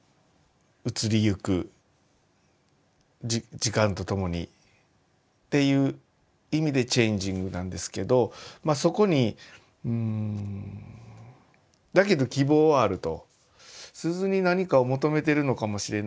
移りゆく時間とともにっていう意味でチェンジングなんですけどまあそこにんだけど希望はあると。